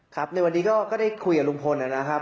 ครับในวันนี้ก็ได้คุยกับลุงพลนะครับ